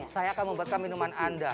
saya akan membuatkan minuman anda